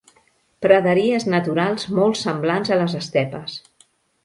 Praderies naturals molt semblants a les estepes.